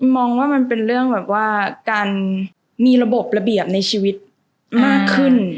มองว่ามันเป็นเรื่องแบบว่าการมีระบบระเบียบในชีวิตมากขึ้น